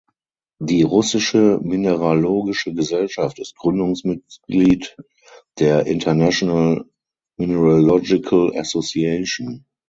Die Russische Mineralogische Gesellschaft ist Gründungsmitglied der International Mineralogical Association.